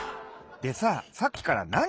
でささっきからなに？